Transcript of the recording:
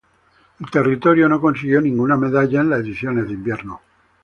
El territorio no consiguió ninguna medalla en las ediciones de invierno.